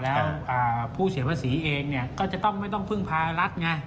แล้วผู้เศียรภาษีเองก็จะไม่ต้องพึ่งพารัฐไง